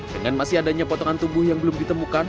dengan masih adanya potongan tubuh yang belum ditemukan